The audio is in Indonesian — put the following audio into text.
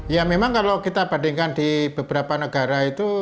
ya memang kalau kita bandingkan di beberapa negara itu